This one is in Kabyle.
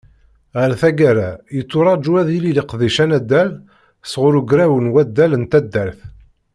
Ɣer taggara, yetturaǧu ad yili leqdic anaddal sɣur Ugraw n waddal n taddart.